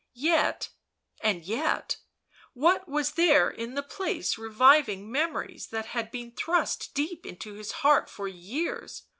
Yet — and yet — what was there in the place reviving memories that had been thrust deep into his heart for years